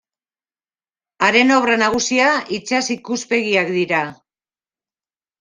Haren obra nagusia itsas ikuspegiak dira.